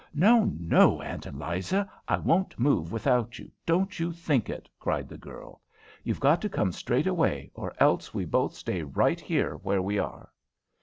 "No, no, Aunt Eliza; I won't move without you! Don't you think it!" cried the girl. "You've got to come straight away, or else we both stay right here where we are."